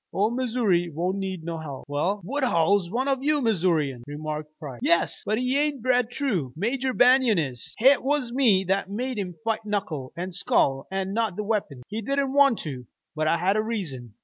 Ole Missoury won't need no help." "Well, Woodhull's one of you Missourians," remarked Price. "Yes, but he ain't bred true. Major Banion is. Hit was me that made him fight knuckle an' skull an' not with weapons. He didn't want to, but I had a reason.